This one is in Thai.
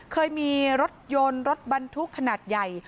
เคยมีรถยนต์รถบรรทุกขนาดใหญ่